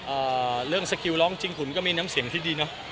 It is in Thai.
อ่าเรื่องสกิลร้องจริงขุนก็มีน้ำเสียงที่ดีเนอะ